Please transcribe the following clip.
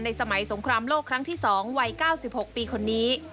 สมัยสงครามโลกครั้งที่๒วัย๙๖ปีคนนี้